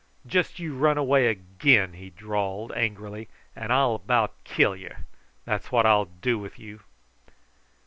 "Just you run away again," he drawled angrily, "and I'll 'bout kill yer. That's what I'll do with you."